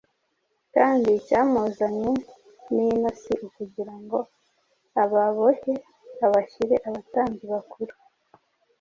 Kandi icyamuzanye n’ino si ukugira ngo ababohe, abashyire abatambyi bakuru?”